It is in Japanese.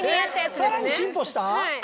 さらに進歩した？